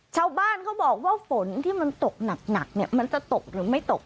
ชาวบ้านเขาบอกว่าฝนที่มันตกหนักมันจะตกหรือไม่ตก